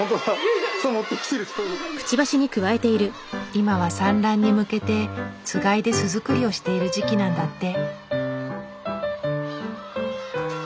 今は産卵に向けてつがいで巣作りをしている時期なんだって。